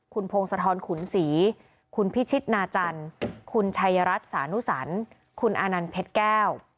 คุณพงศธรขุนศรีคุณพิชิตนาจันทร์คุณชัยรัฐสานุสันคุณอานันต์เพชรแก้ว